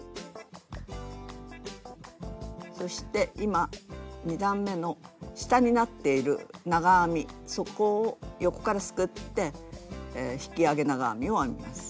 そして今２段めの下になっている長編みそこを横からすくって引き上げ長編みを編みます。